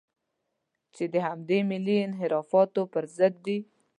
چې د همدې ملي انحرافاتو په ضد دي.